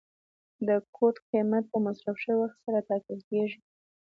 د کوټ قیمت په مصرف شوي وخت سره ټاکل کیږي.